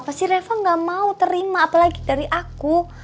pasti reva gak mau terima apalagi dari aku